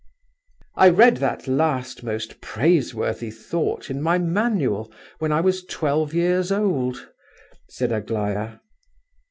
"I read that last most praiseworthy thought in my manual, when I was twelve years old," said Aglaya.